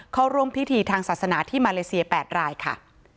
เข้าร่วมพิธีทางศาสนาที่มาเลเซีย๘รายค่ะ